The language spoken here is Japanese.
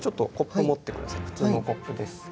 普通のコップです。